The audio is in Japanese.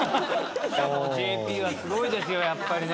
ＪＰはすごいですよやっぱりね。